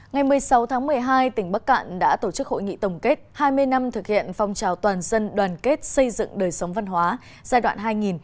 ngày một mươi sáu tháng một mươi hai tỉnh bắc cạn đã tổ chức hội nghị tổng kết hai mươi năm thực hiện phong trào toàn dân đoàn kết xây dựng đời sống văn hóa giai đoạn hai nghìn một mươi sáu hai nghìn hai mươi